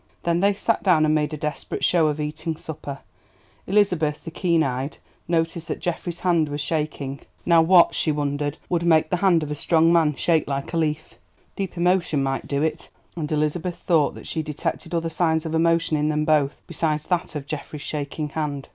Then they sat down and made a desperate show of eating supper. Elizabeth, the keen eyed, noticed that Geoffrey's hand was shaking. Now what, she wondered, would make the hand of a strong man shake like a leaf? Deep emotion might do it, and Elizabeth thought that she detected other signs of emotion in them both, besides that of Geoffrey's shaking hand.